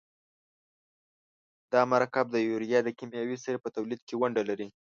دا مرکب د یوریا د کیمیاوي سرې په تولید کې ونډه لري.